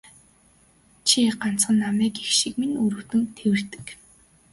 Чи ганцхан намайг эх шиг минь өрөвдөн тэвэрдэг.